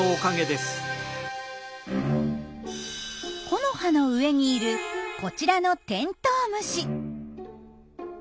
木の葉の上にいるこちらのテントウムシ。